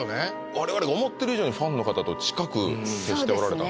我々が思ってる以上にファンの方と近くそうですね